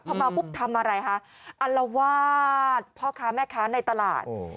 พอเมาปุ๊บทำอะไรคะอัลวาดพ่อค้าแม่ค้าในตลาด